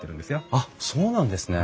あっそうなんですね。